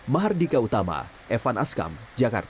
mahardika utama evan askam jakarta